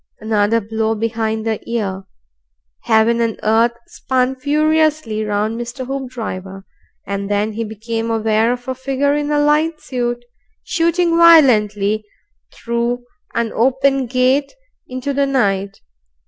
Another blow behind the ear. Heaven and earth spun furiously round Mr. Hoopdriver, and then he became aware of a figure in a light suit shooting violently through an open gate into the night.